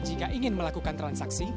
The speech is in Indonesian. jika ingin melakukan transaksi